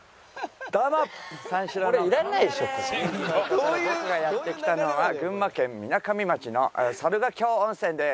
僕がやって来たのは群馬県みなかみ町の猿ヶ京温泉です。